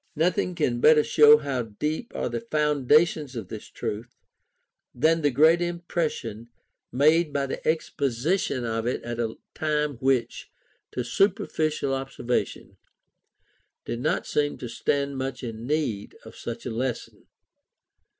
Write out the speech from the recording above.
Nothing can better show how deep are the foundations of this truth, than the great impression made by the exposition of it at a time which, to superficial observation, did not seem to stand much in need of such a lesson.